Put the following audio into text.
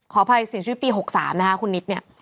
ขออภัยเสียชีวิตปี๖๓นะคะคุณนิดเนี่ย